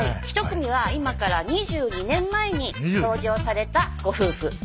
ひと組はいまから２２年前に登場されたご夫婦